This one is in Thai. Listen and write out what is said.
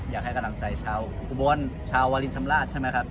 อยากให้กำลังใจชาวอุบลชาววาลินชำราชใช่ไหมครับ